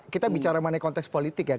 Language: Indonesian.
kita bicara mengenai konteks politik ya